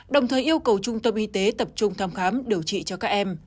đồng thời yêu cầu trung tâm y tế tập trung thăm khám điều trị cho các em